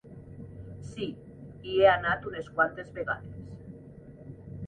Sí, hi he anat unes quantes vegades.